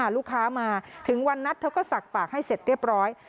ลูกค้ามาถึงวันนัดเธอก็สักปากให้เสร็จเรียบร้อย